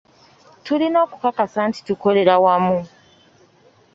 Tulina okukakasa nti tukolera wamu.